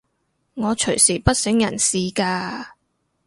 我隨時不省人事㗎